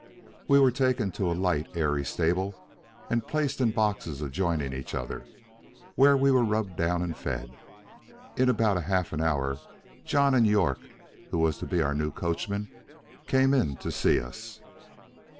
We were taken to a light, airy stable, and placed in boxes adjoining each other, where we were rubbed down and fed. In about half an hour John and York, who was to be our new coachman, came in to see us.